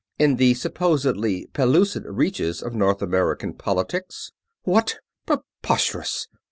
in the supposedly pellucid reaches of North American politics." "What? Preposterous!"